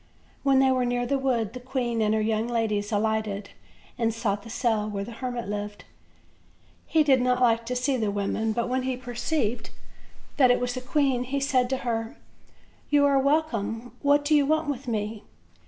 When they were near the wood the queen and her young ladies alighted, and sought the cell where the hermit lived. He did not like to see women; but when he perceived that it was the queen he said to her: "You are wel come; what do you want with me?"